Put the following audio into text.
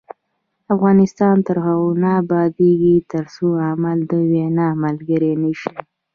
افغانستان تر هغو نه ابادیږي، ترڅو عمل د وینا ملګری نشي.